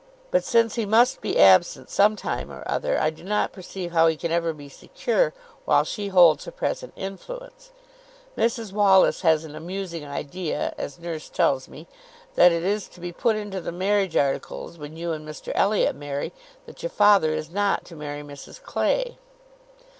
But since he must be absent some time or other, I do not perceive how he can ever be secure while she holds her present influence. Mrs Wallis has an amusing idea, as nurse tells me, that it is to be put into the marriage articles when you and Mr Elliot marry, that your father is not to marry Mrs Clay.